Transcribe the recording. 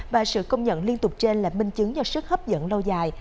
và sự công nhận liên tục trên là minh chứng cho sức hấp dẫn lâu dài